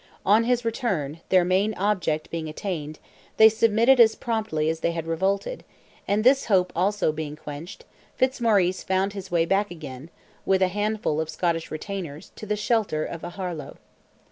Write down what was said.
On his return—their main object being attained—they submitted as promptly as they had revolted, and this hope also being quenched, Fitzmaurice found his way back again, with a handful of Scottish retainers, to the shelter of Aharlow.